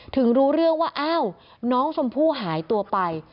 ถึงรู้เรื่องว่าอ้าวน้องชมพู่หายตัวไป